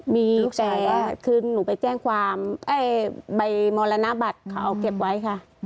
มีแต่คือหนูไปแจ้งความใบมรณบัตรเขาเอาเก็บไว้ค่ะ